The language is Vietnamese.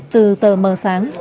từ tờ mơ sáng